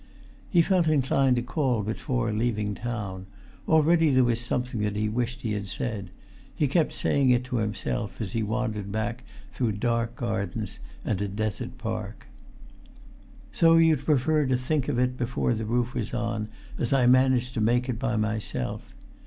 He felt inclined to call before leaving town; already there was something that he wished he had said; he kept saying it to himself as he wandered back through dark gardens and a desert park. "So you prefer to think of it before the roof was on, as I managed to make it by myself!